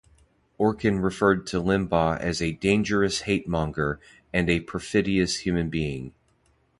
Orkin referred to Limbaugh as a "dangerous hate-monger" and a "perfidious human being".